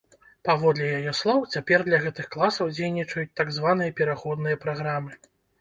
Паводле яе слоў, цяпер для гэтых класаў дзейнічаюць так званыя пераходныя праграмы.